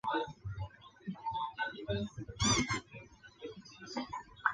其木人宝石设施是在一组由水力推动的复杂的齿轮系统的带动下自动实现的。